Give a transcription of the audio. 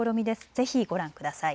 ぜひご覧ください。